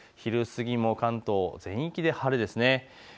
昼過ぎも関東全域で晴れですね。